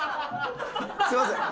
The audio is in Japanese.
すみません。